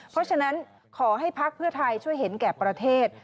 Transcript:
เพราะฉะนั้นขอให้ภักดิ์เพื่อไทยช่วยเห็นแก่ประเทศ